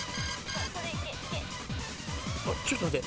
ちょっと待って。